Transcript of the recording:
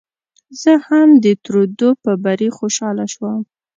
زه هم د ترودو په بري خوشاله شوم.